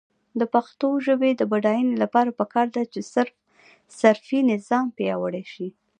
د پښتو ژبې د بډاینې لپاره پکار ده چې صرفي نظام پیاوړی شي.